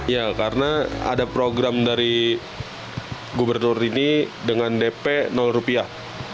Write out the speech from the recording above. ya karena ada program dari gubernur ini dengan dp rupiah